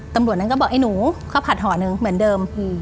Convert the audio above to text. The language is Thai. ตำรวจนั้นก็บอกไอ้หนูข้าวผัดห่อหนึ่งเหมือนเดิม